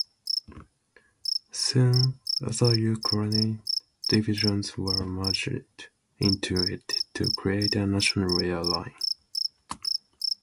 Soon, other Ukrainian divisions were merged into it to create a national airline.